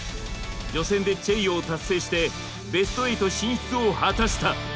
予選でチェイヨーを達成してベスト８進出を果たした。